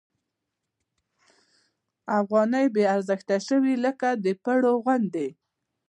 افغانۍ بې ارزښته شوې لکه د پړو غوندې.